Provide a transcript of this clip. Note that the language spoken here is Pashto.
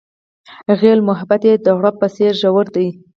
هغې وویل محبت یې د غروب په څېر ژور دی.